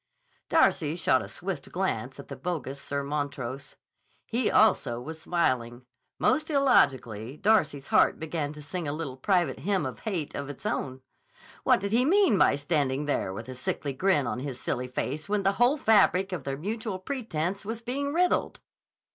Darcy shot a swift glance at the bogus Sir Montrose. He also was smiling. Most illogically Darcy's heart began to sing a little private Hymn of Hate of its own. What did he mean by standing there with a sickly grin on his silly face when the whole fabric of their mutual pretense was being riddled?